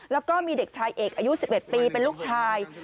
แล้วก็มีเด็กชายเอกอายุ๑๑ปีเป็นลูกชาย